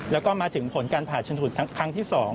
แล้วก็มาถึงผลการผ่าชนสูตรครั้งที่๒